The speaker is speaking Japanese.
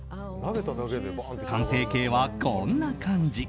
完成形は、こんな感じ。